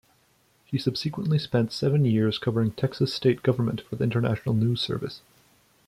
He subsequently spent seven years covering Texas state government for the International News Service.